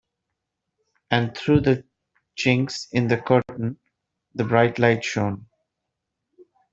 And through the chinks in the curtain the bright light shone.